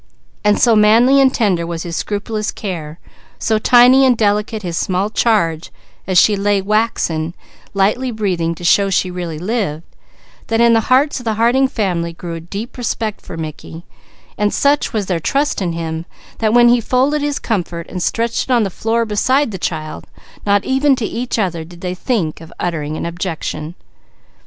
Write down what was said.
And so manly and tender was his scrupulous care, so tiny and delicate his small charge as she lay waxen, lightly breathing to show she really lived, that in the hearts of the Harding family grew a deep respect for Mickey, and such was their trust in him, that when he folded his comfort and stretched it on the floor beside the child, not even to each other did they think of uttering an objection.